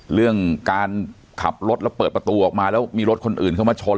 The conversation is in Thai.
เรื่องการขับรถแล้วเปิดประตูออกมาแล้วมีรถคนอื่นเข้ามาชน